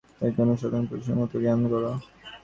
তাহাকে অন্য সাধারণ পুরুষের মতো জ্ঞান করা!